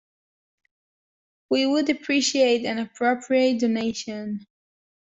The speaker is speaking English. We would appreciate an appropriate donation